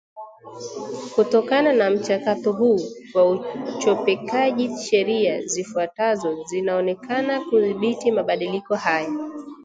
Kutokana na mchakato huu wa uchopekaji sheria zifuatazo zinaonekana kudhibiti mabadiliko haya